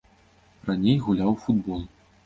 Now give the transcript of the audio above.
Раней гуляў у футбол.